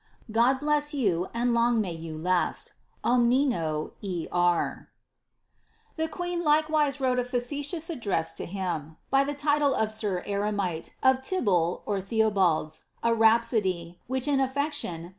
God bless you, and long may you last "Oninino, E. R," The queen likewise wrote a facetious address to him, by the title of Sir Eremite, of Tyball (Theobalds), a rhapsody, which, in affectation * Naunton s Fiagmenta Regalia.